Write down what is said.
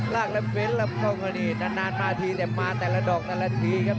ลากลำเว้นลำกล้องก็นี่นานมาทีแต่มาแต่ละดอกแต่ละทีครับ